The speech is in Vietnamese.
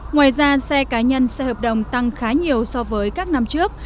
ngoài ra xe cá nhân xe hợp đồng tăng khá nhiều so với các năm trước